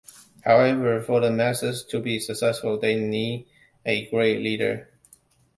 However, for the masses to be successful, they need a "Great Leader".